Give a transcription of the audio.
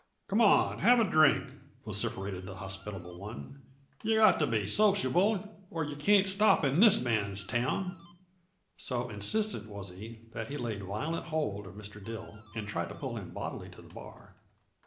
"Come on 'n' have a drink!" vociferated the hospitable one. "Yuh got to be sociable, or yuh can't stop in this man's town." So insistent was he that he laid violent hold of Mr. Dill and tried to pull him bodily to the bar.